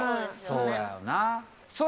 そうやろな。